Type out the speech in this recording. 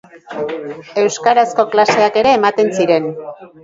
Euskarazko klaseak ere ematen ziren.